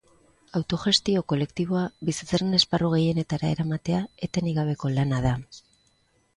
Autogestio kolektiboa bizitzaren esparru gehienetara eramatea etenik gabeko lana da.